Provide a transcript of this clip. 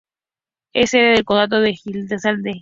Es sede del condado de Hillsdale.